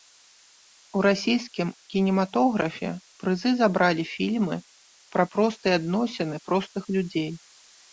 У расійскім кінематографе прызы забралі фільмы пра простыя адносіны простых людзей.